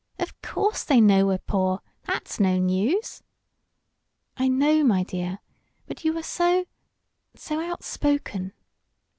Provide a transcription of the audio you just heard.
Of course they know we're poor that's no news!" "I know, my dear. But you are so so out spoken."